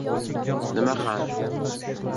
— Nima qani?